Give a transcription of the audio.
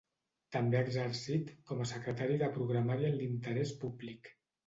També ha exercit com a secretari de Programari en l'Interés Públic.